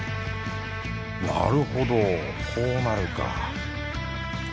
なるほどこうなるか